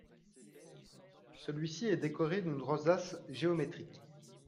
Celui-ci est décoré d'une rosace géométrique.